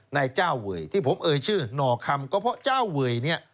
นายเจ้าเวยที่ผมเอ่ยชื่อหน่อคำก็เพราะเจ้าเวยเนี่ย